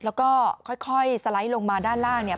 แล้วก็ค่อยสไลด์ลงมาด้านล่างเนี่ย